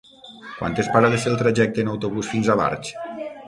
Quantes parades té el trajecte en autobús fins a Barx?